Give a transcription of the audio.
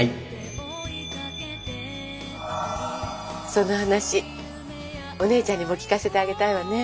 その話お姉ちゃんにも聞かせてあげたいわね。